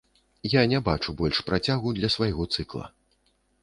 Я не бачу больш працягу для свайго цыкла.